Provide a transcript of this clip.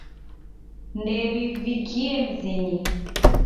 Ndew'ivikie mzinyi.